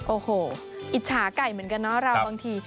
โอ้โหอิจฉาไก่เหมือนกันเนาะเราบางที